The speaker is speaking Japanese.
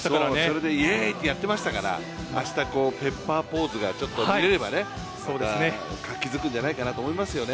それでイエーイってやってましたから、明日、ペッパーポーズが見られればまた活気づくんじゃないかなと思いますね。